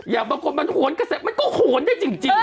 อยากบอกว่ามันหวนกระเส็จมันก็หวนแน่จริง